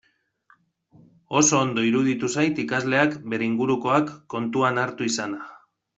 Oso ondo iruditu zait ikasleak bere ingurukoak kontuan hartu izana.